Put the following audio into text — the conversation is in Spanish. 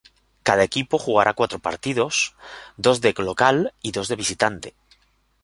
Cada equipo jugará cuatro partidos, dos de local y dos de visitante.